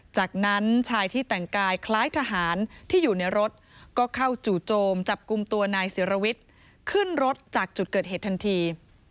จากนั้นชายที่แต่งกายคล้ายทหารที่อยู่ในรถก็เข้าจู่โจมจับกลุ่มตัวนายศิรวิทย์ขึ้นรถจากจุดเกิดเหตุทันที